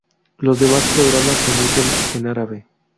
Los demás programas se emiten en árabe.